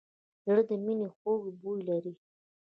زړه د مینې خوږ بوی لري.